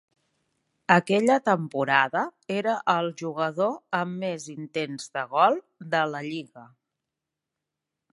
Aquella temporada era el jugador amb més intents de gol de la Lliga.